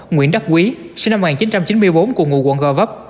nguyễn đắc quý sinh năm một nghìn chín trăm chín mươi bốn cùng ngụ quận gò vấp